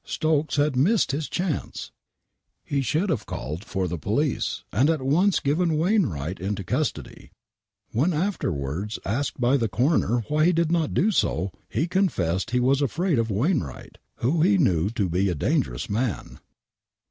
Stokes had missed his chance ! He should have called for the police, and at once given Wain wright into custody. When afterwards asked by the coroner why he did not do so,, he confessed he was afraid of Wainwright, who he knew to be a dangerous man.